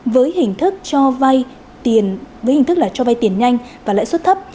với hình thức cho vay tiền nhanh và lãi suất thấp